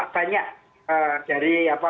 banyak dari apa